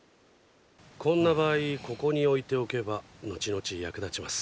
こんな場合ここに置いておけば後々役立ちます。